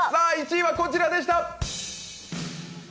１位は、こちらでした。